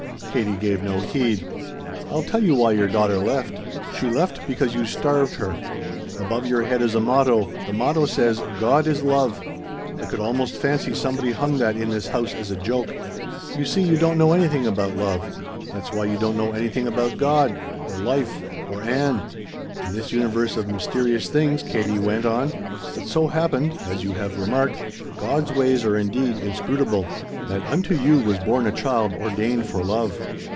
Katie gave no heed. "I'll tell you why your daughter left. She left because you starved her. "Above your head is a motto. The motto says, 'God Is Love.' I could almost fancy somebody hung that in this house as a joke! "You see you don't know anything about love. That's why you don't know anything about God or life or Ann. "In this universe of mysterious things," Katie went on, "it so happened as you have remarked, God's ways are indeed inscrutable that unto you was born a child ordained for love."